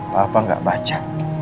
papa gak baca